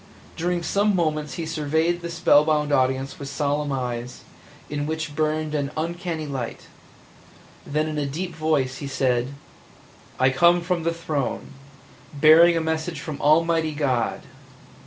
During some moments he surveyed the spellbound audience with solemn eyes, in which burned an uncanny light; then in a deep voice he said: "I come from the Throne – bearing a message from Almighty God!"